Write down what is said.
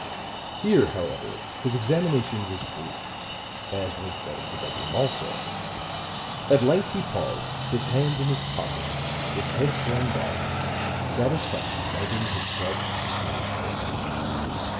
Here, however, his examination was brief, as was that of the bedroom also. At length he paused, his hands in his pockets, his head thrown back, satisfaction lighting his dark, keen face.